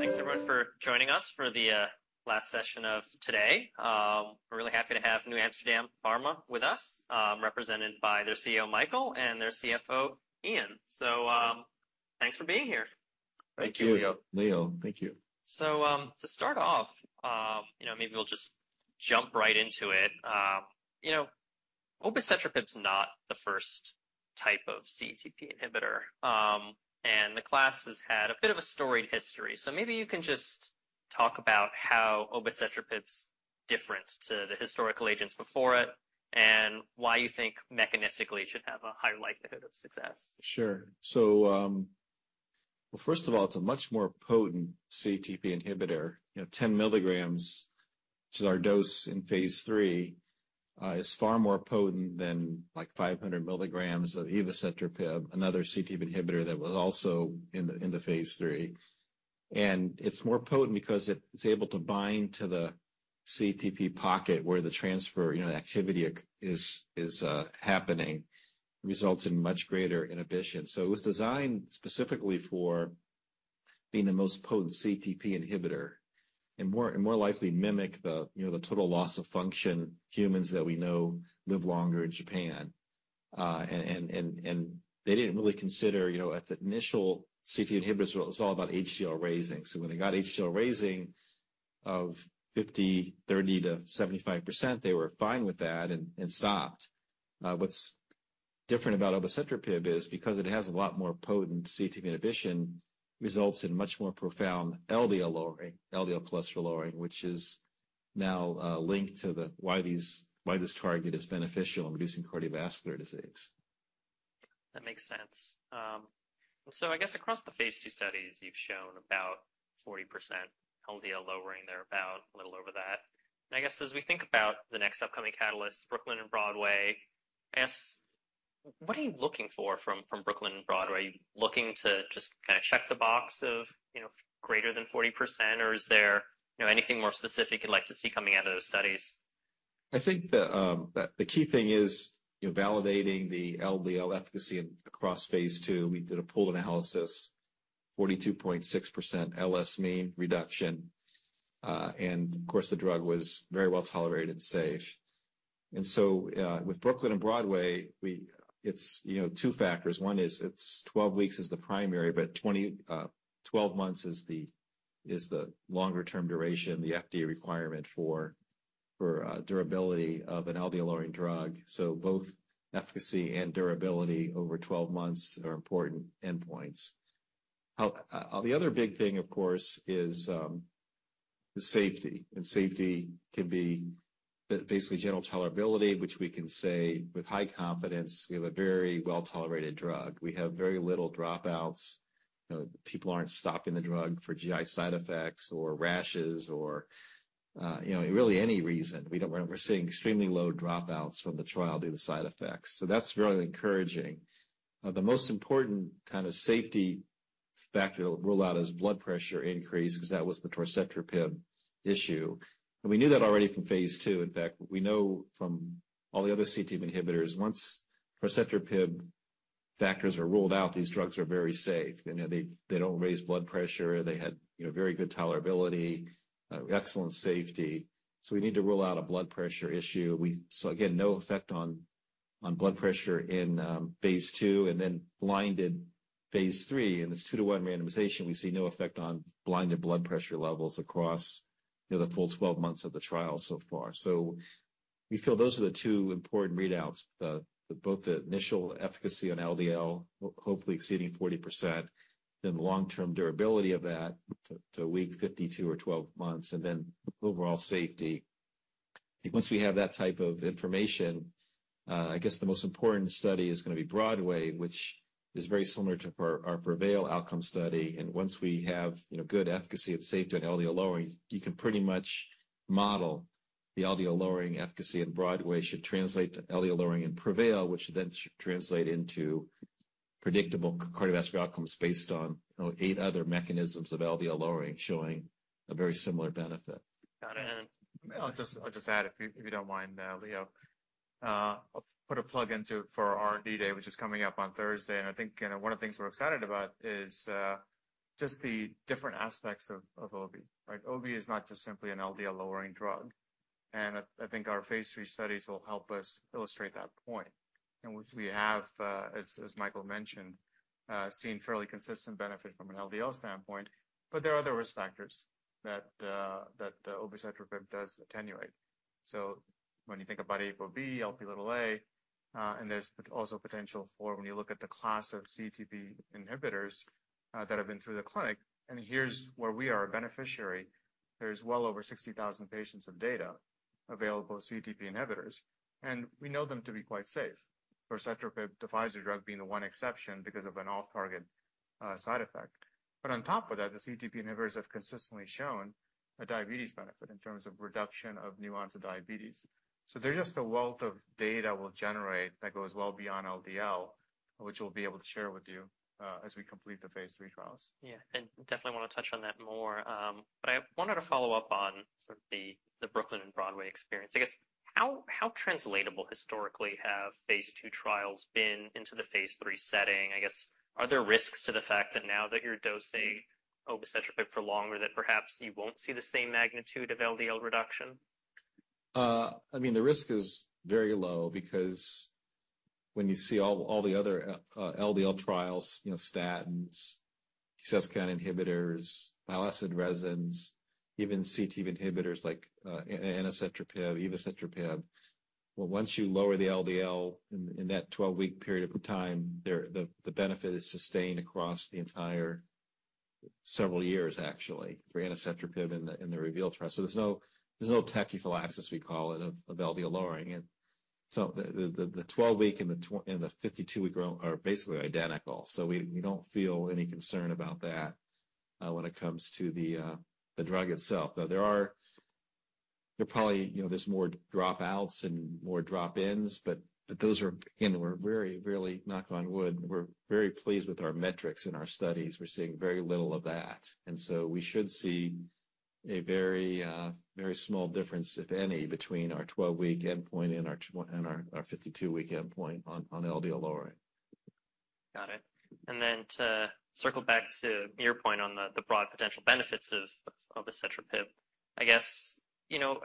Thanks, everyone, for joining us for the last session of today. We're really happy to have NewAmsterdam Pharma with us, represented by their CEO, Michael, and their CFO, Ian. So, thanks for being here. Thank you, Leo. Thank you, Leo. Thank you. To start off, you know, maybe we'll just jump right into it. You know, obicetrapib is not the first type of CETP inhibitor, and the class has had a bit of a storied history. Maybe you can just talk about how obicetrapib is different to the historical agents before it and why you think mechanistically it should have a high likelihood of success. Sure. So, well, first of all, it's a much more potent CETP inhibitor. You know, 10 mg, which is our dose in phase III, is far more potent than like 500 mg of evacetrapib, another CETP inhibitor that was also in the phase III. And it's more potent because it, it's able to bind to the CETP pocket, where the transfer, you know, activity is happening, results in much greater inhibition. So it was designed specifically for being the most potent CETP inhibitor and more, and more likely mimic the, you know, the total loss of function humans that we know live longer in Japan. And they didn't really consider, you know, at the initial CETP inhibitors, it was all about HDL raising. When they got HDL raising of 50%, 30% to 75%, they were fine with that and stopped. What's different about obicetrapib is because it has a lot more potent CETP inhibition, results in much more profound LDL lowering, LDL cholesterol lowering, which is now linked to the why this target is beneficial in reducing cardiovascular disease. That makes sense. So I guess across the phase II studies, you've shown about 40% LDL lowering there, about a little over that. And I guess as we think about the next upcoming catalyst, BROOKLYN and BROADWAY, I guess, what are you looking for from Brooklyn and Broadway? Are you looking to just kinda check the box of, you know, greater than 40%, or is there, you know, anything more specific you'd like to see coming out of those studies? I think the key thing is, you know, validating the LDL efficacy across phase II. We did a pooled analysis, 42.6% LS mean reduction. And of course, the drug was very well tolerated and safe. And so, with Brooklyn and Broadway, it's, you know, two factors. One is, it's 12 weeks is the primary, but 12 months is the longer-term duration, the FDA requirement for durability of an LDL-lowering drug. So both efficacy and durability over 12 months are important endpoints. The other big thing, of course, is the safety, and safety can be basically general tolerability, which we can say with high confidence, we have a very well-tolerated drug. We have very little dropouts. You know, people aren't stopping the drug for GI side effects or rashes or, you know, really any reason. We're seeing extremely low dropouts from the trial due to side effects, so that's really encouraging. The most important kind of safety factor to rule out is blood pressure increase because that was the torcetrapib issue. And we knew that already from phase II. In fact, we know from all the other CETP inhibitors, once torcetrapib factors are ruled out, these drugs are very safe. You know, they don't raise blood pressure. They had, you know, very good tolerability, excellent safety, so we need to rule out a blood pressure issue. So again, no effect on blood pressure in phase II, and then blinded phase III. In this 2:1 randomization, we see no effect on blinded blood pressure levels across, you know, the full 12 months of the trial so far. So we feel those are the two important readouts, both the initial efficacy on LDL, hopefully exceeding 40%, then the long-term durability of that to week 52 or 12 months, and then overall safety. Once we have that type of information, I guess the most important study is gonna be BROADWAY, which is very similar to our PREVAIL outcome study. And once we have, you know, good efficacy and safety and LDL lowering, you can pretty much model the LDL lowering efficacy, and BROADWAY should translate to LDL lowering in PREVAIL, which then should translate into predictable cardiovascular outcomes based on, you know, 8 other mechanisms of LDL lowering, showing a very similar benefit. Got it, and- I'll just add, if you don't mind, Leo. I'll put in a plug for our R&D day, which is coming up on Thursday. And I think, you know, one of the things we're excited about is just the different aspects of Obi, right? Obi is not just simply an LDL-lowering drug, and I think our phase III studies will help us illustrate that point. And we have, as Michael mentioned, seen fairly consistent benefit from an LDL standpoint, but there are other risk factors that the obicetrapib does attenuate. So when you think about ApoB, Lp(a), and there's also potential for when you look at the class of CETP inhibitors that have been through the clinic, and here's where we are a beneficiary. There's well over 60,000 patient-years of data available on CETP inhibitors, and we know them to be quite safe. Torcetrapib is the one exception because of an off-target side effect. But on top of that, the CETP inhibitors have consistently shown a diabetes benefit in terms of reduction in new-onset diabetes. So there's just a wealth of data we'll generate that goes well beyond LDL, which we'll be able to share with you as we complete the phase III trials. Yeah, and definitely want to touch on that more. But I wanted to follow up on sort of the, the BROOKLYN and BROADWAY experience. I guess... How translatable historically have phase II trials been into the phase III setting? I guess, are there risks to the fact that now that you're dosing obicetrapib for longer, that perhaps you won't see the same magnitude of LDL reduction? I mean, the risk is very low because when you see all, all the other, LDL trials, you know, statins, PCSK9 inhibitors, bile acid resins, even CETP inhibitors like, anacetrapib, evacetrapib. Well, once you lower the LDL in, in that 12-week period of time, the benefit is sustained across the entire several years, actually, for anacetrapib in the REVEAL trial. So there's no, there's no tachyphylaxis, we call it, of, of LDL lowering. And so the, the, the 12-week and the 52-week are basically identical. So we, we don't feel any concern about that, when it comes to the drug itself. Though there are-- There probably, you know, there's more dropouts and more drop-ins, but, but those are, again, we're very, really, knock on wood, we're very pleased with our metrics and our studies. We're seeing very little of that. And so we should see a very, very small difference, if any, between our 12-week endpoint and our, our 52-week endpoint on, on LDL lowering. Got it. And then to circle back to your point on the, the broad potential benefits of, of obicetrapib. I guess, you know,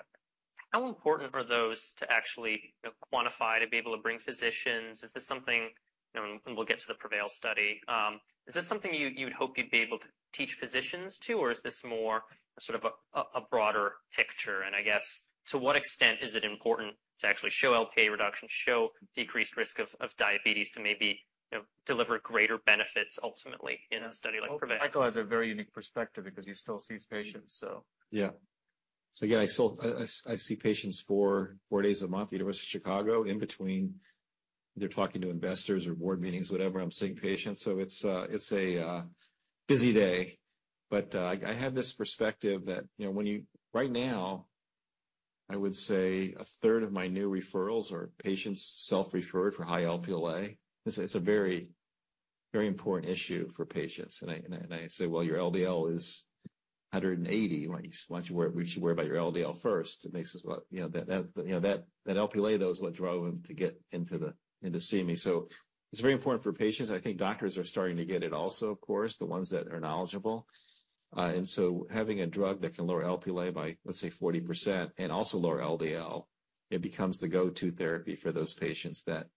how important are those to actually, you know, quantify, to be able to bring physicians? Is this something, you know, and we'll get to the PREVAIL study. Is this something you, you'd hope you'd be able to teach physicians to, or is this more sort of a, a broader picture? And I guess, to what extent is it important to actually show Lp(a) reduction, show decreased risk of, of diabetes, to maybe, you know, deliver greater benefits ultimately in a study like PREVAIL? Michael has a very unique perspective because he still sees patients. Yeah. So yeah, I still see patients four days a month at University of Chicago. In between, they're talking to investors or board meetings, whatever, I'm seeing patients, so it's a busy day. But I have this perspective that, you know, when you. Right now, I would say a third of my new referrals are patients self-referred for high Lp(a). It's a very important issue for patients. And I say, "Well, your LDL is 180. Why don't you worry. We should worry about your LDL first." It makes us, well, you know, that Lp(a), though, is what drove them to get in to see me. So it's very important for patients. I think doctors are starting to get it also, of course, the ones that are knowledgeable. And so having a drug that can lower Lp by, let's say, 40% and also lower LDL, it becomes the go-to therapy for those patients that,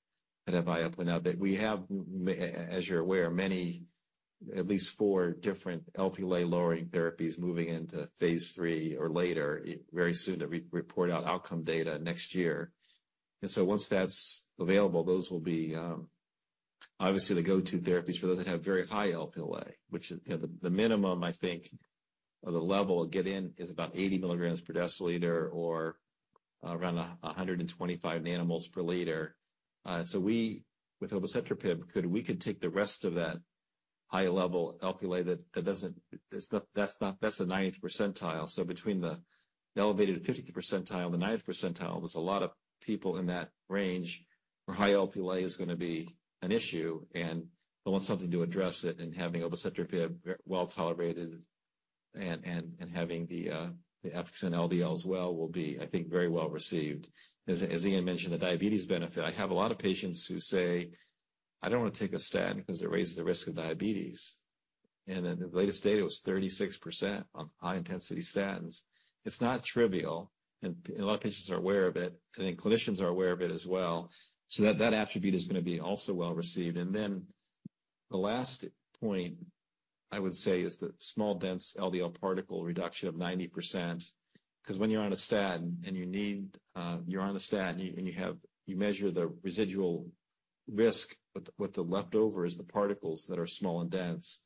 that have high Lp. Now, that we have, as you're aware, many, at least 4 different Lp lowering therapies moving into phase III or later, very soon to re-report out outcome data next year. And so once that's available, those will be, obviously, the go-to therapies for those that have very high Lp, which, you know, the minimum, I think, or the level to get in is about 80 mg/dL or around 125 nmol/L. So we, with obicetrapib, could, we could take the rest of that high-level Lp that, that doesn't... That's not, that's the ninetieth percentile. So between the elevated fiftieth percentile and the ninetieth percentile, there's a lot of people in that range where high Lp is going to be an issue, and they want something to address it, and having obicetrapib, well-tolerated, and having the effects in LDL as well, will be, I think, very well received. As Ian mentioned, the diabetes benefit, I have a lot of patients who say, "I don't want to take a statin because it raises the risk of diabetes." And in the latest data, it was 36% on high-intensity statins. It's not trivial, and a lot of patients are aware of it, and then clinicians are aware of it as well. So that attribute is going to be also well-received. And then the last point I would say is the small dense LDL particle reduction of 90%, because when you're on a statin and you need. You're on a statin, and you measure the residual risk, but what the leftover is the particles that are small and dense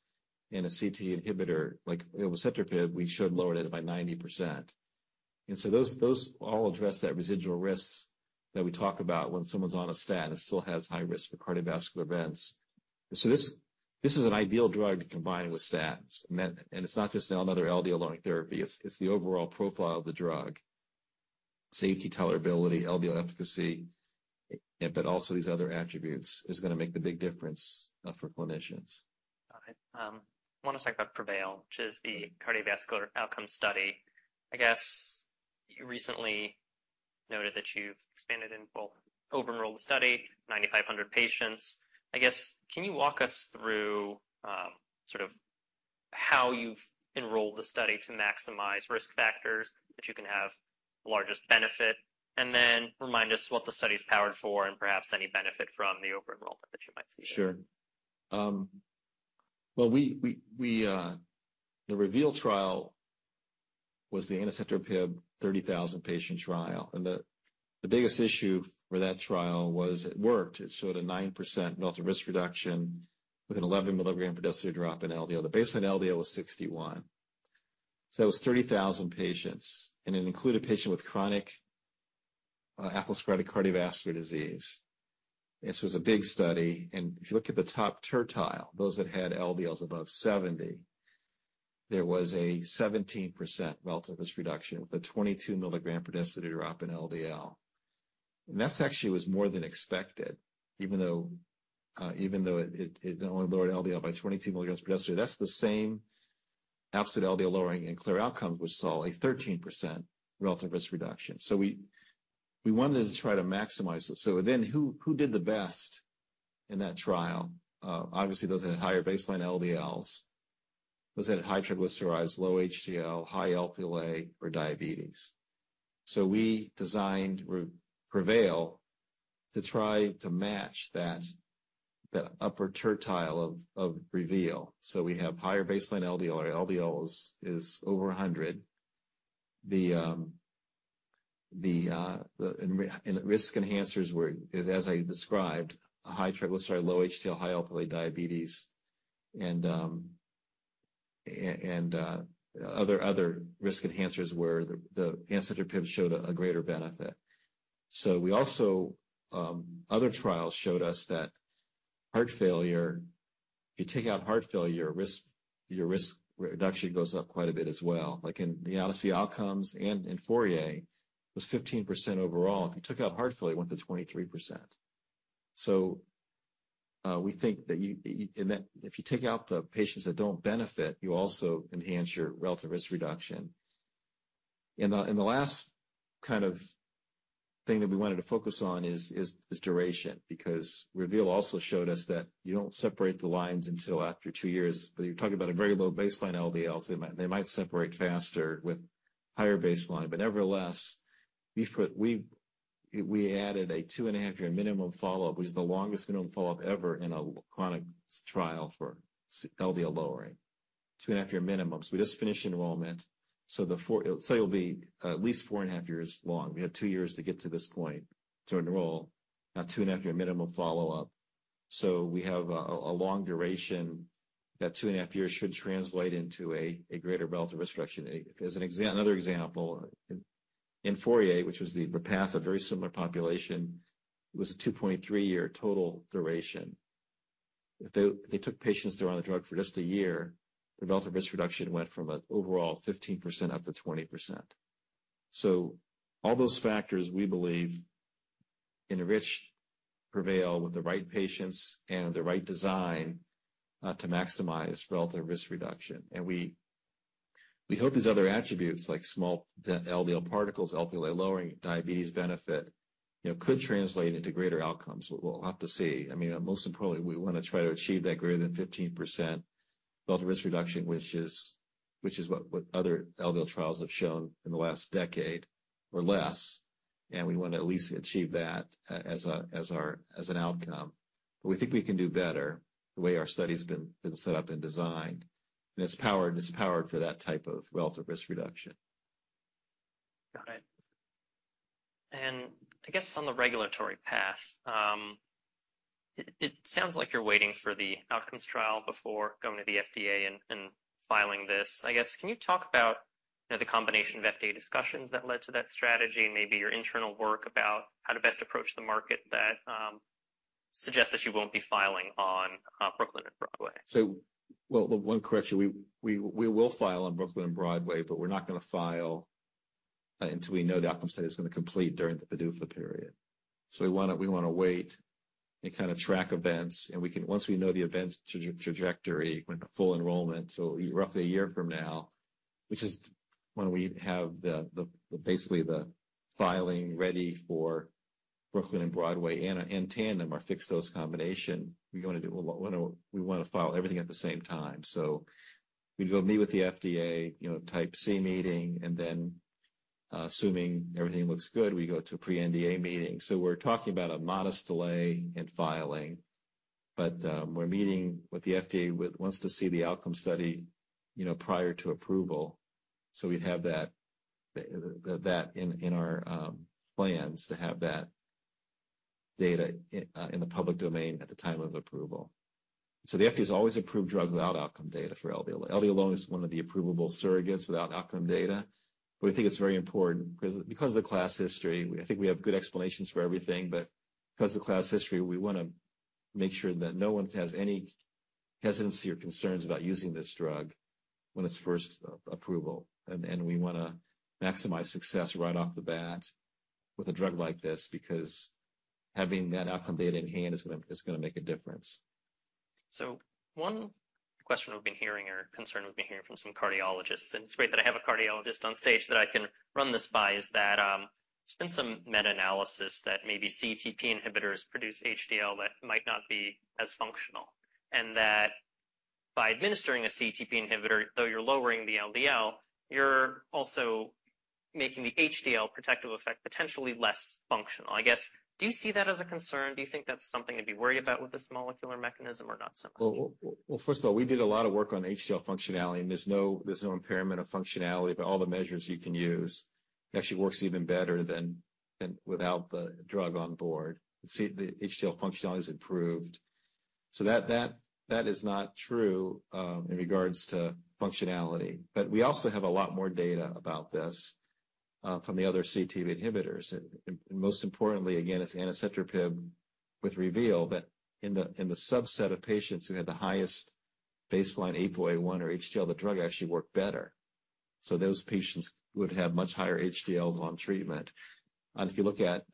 with a CETP inhibitor, like obicetrapib, we should lower it by 90%. And so those, those all address that residual risk that we talk about when someone's on a statin and still has high risk for cardiovascular events. So this, this is an ideal drug combined with statins. And then, and it's not just another LDL-lowering therapy, it's, it's the overall profile of the drug, safety, tolerability, LDL efficacy, but also these other attributes, is going to make the big difference, for clinicians. All right. I want to talk about PREVAIL, which is the cardiovascular outcome study. I guess you recently noted that you've expanded and well, over-enrolled the study, 9,500 patients. I guess, can you walk us through, sort of how you've enrolled the study to maximize risk factors, that you can have the largest benefit? And then remind us what the study is powered for and perhaps any benefit from the over-enrollment that you might see. Sure. Well, the REVEAL trial was the anacetrapib 30,000-patient trial, and the biggest issue for that trial was it worked. It showed a 9% relative risk reduction with an 11 mg/dL drop in LDL. The baseline LDL was 61. So that was 30,000 patients, and it included patients with chronic atherosclerotic cardiovascular disease. This was a big study, and if you look at the top tertile, those that had LDLs above 70, there was a 17% relative risk reduction, with a 22 mg/dL drop in LDL. And that actually was more than expected, even though, even though it only lowered LDL by 22 mg/dL. That's the same absolute LDL lowering and CLEAR Outcomes, which saw a 13% relative risk reduction. So we wanted to try to maximize it. So then who, who did the best in that trial? Obviously, those that had higher baseline LDLs, those that had high triglycerides, low HDL, high Lp(a), or diabetes. So we designed PREVAIL to try to match that, the upper tertile of REVEAL. So we have higher baseline LDL, or LDLs is over 100. The and risk enhancers were, as I described, a high triglyceride, low HDL, high Lp(a), diabetes, and other risk enhancers where the anacetrapib showed a greater benefit. So we also, other trials showed us that heart failure, if you take out heart failure, your risk, your risk reduction goes up quite a bit as well. Like in the ODYSSEY OUTCOMES and in FOURIER, it was 15% overall. If you took out heart failure, it went to 23%. So, we think that you and that if you take out the patients that don't benefit, you also enhance your relative risk reduction. The last kind of thing that we wanted to focus on is duration, because REVEAL also showed us that you don't separate the lines until after two years. But you're talking about a very low baseline LDLs, they might separate faster with higher baseline, but nevertheless, we added a two-and-a-half-year minimum follow-up, which is the longest minimum follow-up ever in a chronic trial for LDL lowering. Two-and-a-half-year minimum. So we just finished enrollment, so it'll be at least four and a half years long. We had two years to get to this point, to enroll, now two and a half year minimum follow-up. So we have a long duration. That 2.5 years should translate into a greater relative risk reduction. Another example, in FOURIER, which was the Repatha, a very similar population, it was a 2.3-year total duration. If they took patients that were on the drug for just a year, the relative risk reduction went from an overall 15% up to 20%. So all those factors, we believe, enrich PREVAIL with the right patients and the right design to maximize relative risk reduction. And we hope these other attributes, like small LDL particles, Lp(a) lowering, diabetes benefit, you know, could translate into greater outcomes. We'll have to see. I mean, most importantly, we want to try to achieve that greater than 15% relative risk reduction, which is what other LDL trials have shown in the last decade or less. We want to at least achieve that as an outcome. But we think we can do better, the way our study's been set up and designed, and it's powered for that type of relative risk reduction. Got it. And I guess on the regulatory path, it sounds like you're waiting for the outcomes trial before going to the FDA and filing this. I guess, can you talk about, you know, the combination of FDA discussions that led to that strategy, maybe your internal work about how to best approach the market that suggests that you won't be filing on BROOKLYN and BROADWAY? Well, one correction, we will file on BROOKLYN and BROADWAY, but we're not going to file until we know the outcomes study is going to complete during the PDUFA period. So we wanna wait and kind of track events, and we can, once we know the events trajectory, when the full enrollment, so roughly a year from now, which is when we have the, basically, the filing ready for BROOKLYN and BROADWAY in tandem, our fixed-dose combination, we wanna file everything at the same time. So we go meet with the FDA, you know, Type C meeting, and then, assuming everything looks good, we go to a pre-NDA meeting. So we're talking about a modest delay in filing, but we're meeting with the FDA, which wants to see the outcome study, you know, prior to approval. So we have that in our plans to have that data in the public domain at the time of approval. So the FDA has always approved drug without outcome data for LDL. LDL alone is one of the approvable surrogates without outcome data. But we think it's very important because, because of the class history, I think we have good explanations for everything, but because of the class history, we wanna make sure that no one has any hesitancy or concerns about using this drug when it's first approval. And we wanna maximize success right off the bat with a drug like this, because having that outcome data in hand is gonna make a difference. So one question we've been hearing, or concern we've been hearing from some cardiologists, and it's great that I have a cardiologist on stage that I can run this by, is that, there's been some meta-analysis that maybe CETP inhibitors produce HDL that might not be as functional, and that by administering a CETP inhibitor, though you're lowering the LDL, you're also making the HDL protective effect potentially less functional. I guess, do you see that as a concern? Do you think that's something to be worried about with this molecular mechanism or not so much? Well, well, well, first of all, we did a lot of work on HDL functionality, and there's no, there's no impairment of functionality, by all the measures you can use. It actually works even better than without the drug on board. See, the HDL functionality is improved. So that is not true in regards to functionality. But we also have a lot more data about this from the other CETP inhibitors. And most importantly, again, it's anacetrapib with REVEAL, that in the subset of patients who had the highest baseline ApoA-I or HDL, the drug actually worked better. So those patients would have much higher HDLs on treatment. And if you look at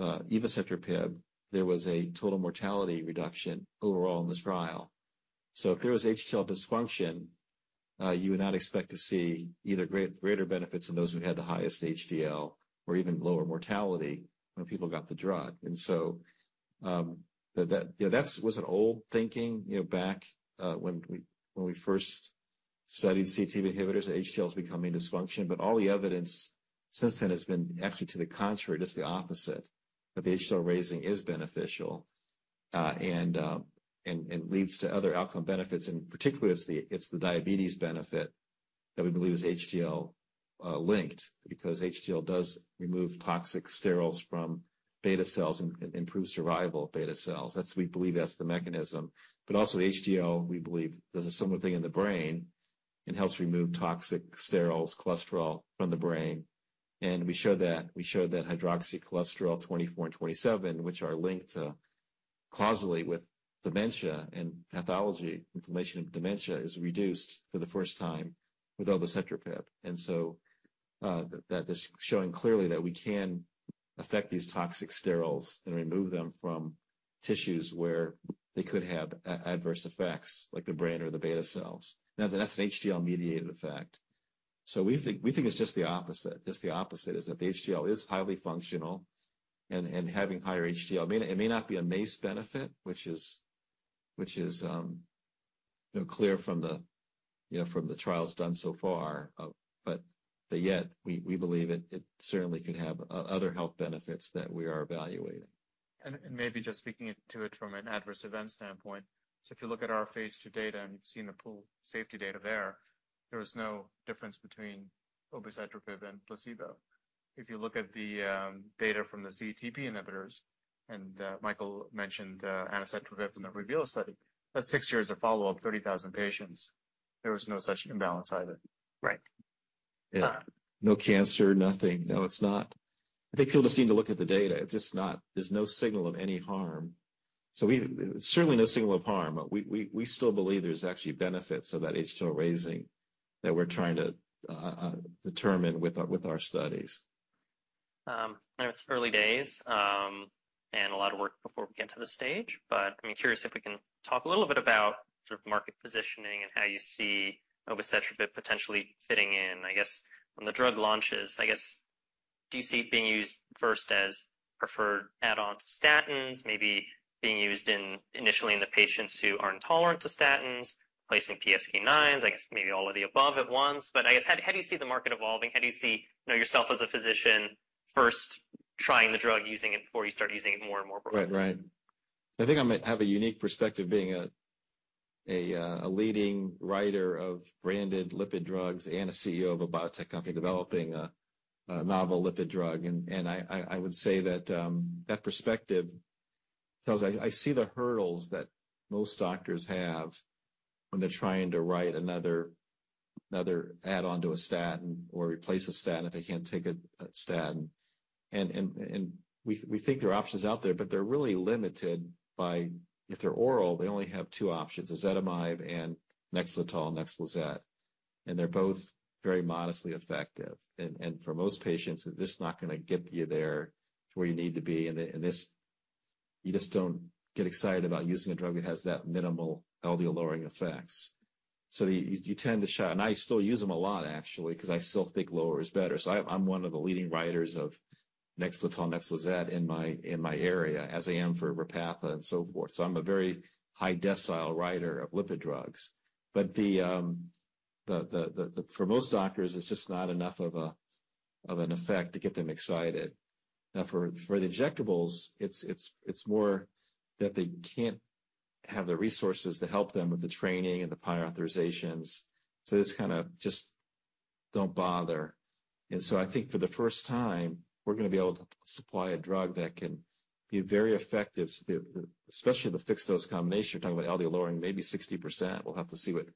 evacetrapib, there was a total mortality reduction overall in this trial. So if there was HDL dysfunction, you would not expect to see either greater benefits in those who had the highest HDL or even lower mortality when people got the drug. And so, that was an old thinking, you know, back when we first studied CETP inhibitors, HDL becoming dysfunctional. But all the evidence since then has been actually to the contrary, just the opposite, that the HDL raising is beneficial, and leads to other outcome benefits, and particularly, it's the diabetes benefit that we believe is HDL linked. Because HDL does remove toxic sterols from beta cells and improves survival of beta cells. That's, we believe that's the mechanism. But also HDL, we believe, does a similar thing in the brain and helps remove toxic sterols cholesterol from the brain, and we showed that. We showed that 24-hydroxycholesterol and 27-hydroxycholesterol, which are linked causally with dementia and pathology. Inflammation of dementia is reduced for the first time with obicetrapib. So that is showing clearly that we can affect these toxic sterols and remove them from tissues where they could have adverse effects, like the brain or the beta cells. Now, that's an HDL-mediated effect. So we think, we think it's just the opposite, just the opposite, is that the HDL is highly functional, and, and having higher HDL may not, it may not be a MACE benefit, which is, which is, you know, clear from the, you know, from the trials done so far. But yet, we believe it certainly could have other health benefits that we are evaluating. Maybe just speaking to it from an adverse event standpoint. So if you look at our phase II data, and you've seen the pooled safety data there, there was no difference between obicetrapib and placebo. If you look at the data from the CETP inhibitors, and Michael mentioned anacetrapib in the REVEAL study, that's six years of follow-up, 30,000 patients. There was no such imbalance either. Right. Yeah. No cancer, nothing. No, it's not. I think people just need to look at the data. It's just not. There's no signal of any harm. So, certainly no signal of harm. We still believe there's actually benefits of that HDL raising that we're trying to determine with our studies. I know it's early days, and a lot of work before we get to this stage, but I'm curious if we can talk a little bit about sort of market positioning and how you see obicetrapib potentially fitting in. I guess, when the drug launches, I guess, do you see it being used first as preferred add-on to statins, maybe being used initially in the patients who are intolerant to statins, replacing PCSK9s? I guess maybe all of the above at once. But I guess, how do you see the market evolving? How do you see, you know, yourself as a physician first trying the drug, using it before you start using it more and more broadly? Right, right. I think I might have a unique perspective, being a leading writer of branded lipid drugs and a CEO of a biotech company developing a novel lipid drug. I would say that perspective tells... I see the hurdles that most doctors have when they're trying to write another add-on to a statin or replace a statin if they can't take a statin. We think there are options out there, but they're really limited by... If they're oral, they only have two options, ezetimibe and Nexletol, Nexlizet, and they're both very modestly effective. For most patients, this is not gonna get you there to where you need to be, and this, you just don't get excited about using a drug that has that minimal LDL-lowering effects. So you tend to shy, and I still use them a lot, actually, because I still think lower is better. So I'm one of the leading writers of Nexletol, Nexlizet in my area, as I am for Repatha and so forth. So I'm a very high decile writer of lipid drugs. But the... For most doctors, it's just not enough of an effect to get them excited. Now, for the injectables, it's more that they can't have the resources to help them with the training and the prior authorizations, so it's kind of just don't bother. And so I think for the first time, we're going to be able to supply a drug that can be very effective, especially the fixed-dose combination. You're talking about LDL lowering, maybe 60%. We'll have to see what...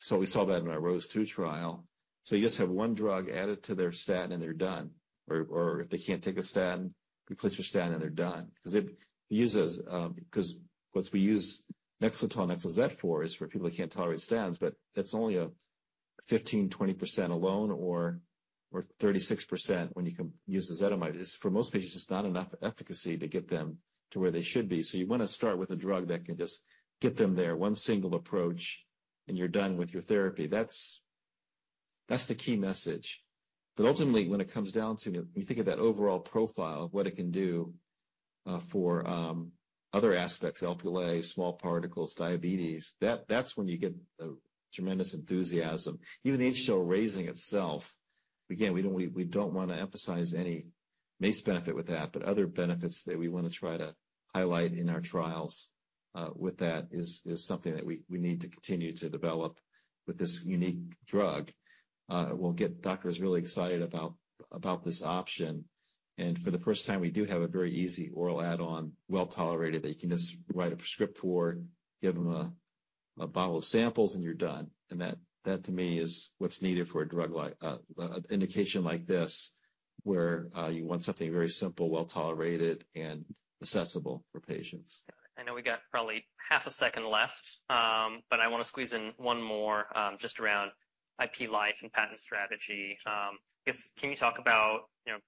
So we saw that in our ROSE2 trial. So you just have one drug added to their statin, and they're done. Or if they can't take a statin, replace your statin, and they're done. Because once we use Nexletol, Nexlizet, which is for people who can't tolerate statins, but it's only a 15%-20% alone or 36% when you use ezetimibe. It's, for most patients, it's not enough efficacy to get them to where they should be. So you want to start with a drug that can just get them there, one single approach, and you're done with your therapy. That's the key message. But ultimately, when it comes down to, you know, when you think of that overall profile, what it can do for other aspects, Lp(a), small particles, diabetes, that, that's when you get a tremendous enthusiasm. Even the HDL raising itself, again, we don't, we don't want to emphasize any MACE benefit with that, but other benefits that we want to try to highlight in our trials with that is something that we need to continue to develop with this unique drug. It will get doctors really excited about this option, and for the first time, we do have a very easy oral add-on, well-tolerated, that you can just write a prescription for, give them a bottle of samples, and you're done. That, to me, is what's needed for a drug like an indication like this, where you want something very simple, well-tolerated, and accessible for patients. I know we got probably half a second left, but I want to squeeze in one more, just around IP life and patent strategy. I guess, can you talk about, you know,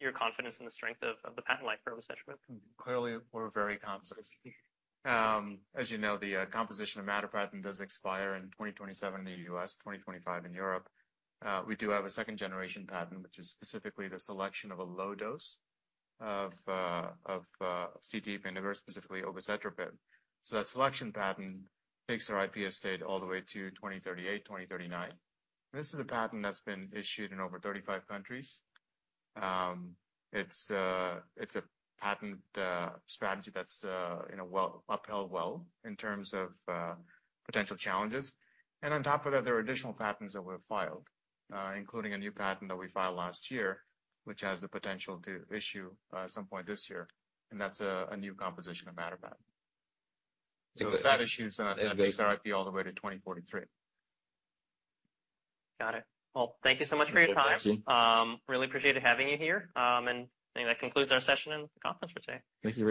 your confidence in the strength of, of the patent life for obicetrapib? Clearly, we're very confident. As you know, the composition of matter patent does expire in 2027 in the U.S., 2025 in Europe. We do have a second-generation patent, which is specifically the selection of a low dose of CETP inhibitor, specifically obicetrapib. So that selection patent takes our IP estate all the way to 2038, 2039. This is a patent that's been issued in over 35 countries. It's a patent strategy that's, you know, well, upheld well in terms of potential challenges. On top of that, there are additional patents that we have filed, including a new patent that we filed last year, which has the potential to issue at some point this year, and that's a new composition of matter patent. So if that issues, then it takes our IP all the way to 2043. Got it. Well, thank you so much for your time. Thanks. Really appreciated having you here. I think that concludes our session and the conference for today. Thank you very much.